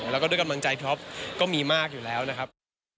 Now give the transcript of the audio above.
แล้วก็ด้วยกำลังใจท็อปก็มีมากอยู่แล้วนะครับ